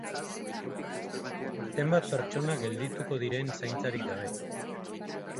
Zenbat pertsona geldituko diren zaintzarik gabe!